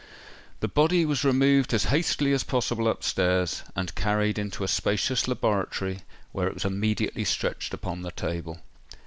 The body was removed as hastily as possible up stairs, and carried into a spacious laboratory, where it was immediately stretched upon the table.